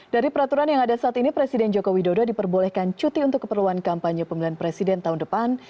dari peraturan yang ada saat ini presiden joko widodo diperbolehkan cuti untuk keperluan kampanye pemilihan presiden tahun depan